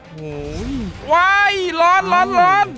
โหไว้ร้อนร้อนร้อน